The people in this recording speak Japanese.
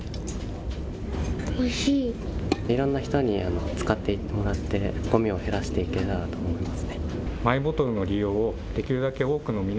いろんな人に使ってもらってごみを減らしたいと思います。